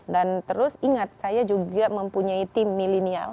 dan terus ingat saya juga mempunyai tim milenial